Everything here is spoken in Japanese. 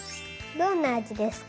どんなあじですか？